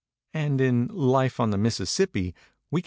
And in 'Life on the Missis sippi' \NV !